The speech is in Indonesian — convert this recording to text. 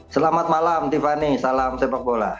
selamat malam tiffany salam sepak bola